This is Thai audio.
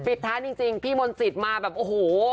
ปิดท้ายจริงพี่มนต์สิทธิ์มาแบบโอ้โห